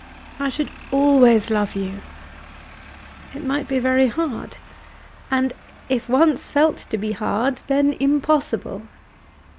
"I should always love you." "It might be very hard: and if once felt to be hard, then impossible.